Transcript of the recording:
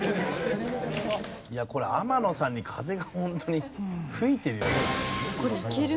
これ天野さんに風がホントに吹いてるよね。